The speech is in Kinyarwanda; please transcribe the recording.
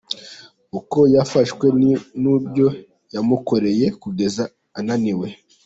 Uko yafashwe n’ibyo yamukoreye kugeza ananiwe:.